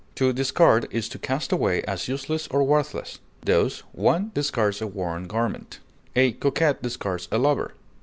To discard is to cast away as useless or worthless; thus, one discards a worn garment; a coquette discards a lover.